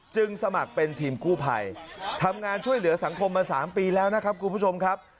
สมัครเป็นทีมกู้ภัยทำงานช่วยเหลือสังคมมา๓ปีแล้วนะครับคุณผู้ชมครับ